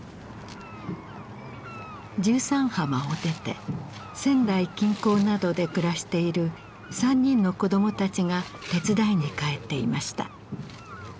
十三浜を出て仙台近郊などで暮らしている３人の子どもたちが手伝いに帰っていました。